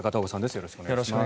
よろしくお願いします。